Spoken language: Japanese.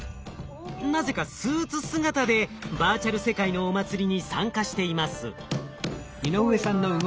なぜかスーツ姿でバーチャル世界のお祭りに参加しています。